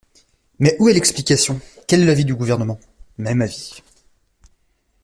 Mais où est l’explication ? Quel est l’avis du Gouvernement ? Même avis.